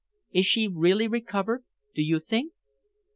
Is she really recovered, do you think?"